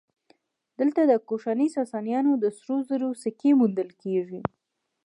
دلته د کوشاني ساسانیانو د سرو زرو سکې موندل کېږي